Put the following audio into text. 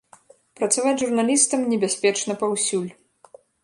Працаваць журналістам небяспечна паўсюль.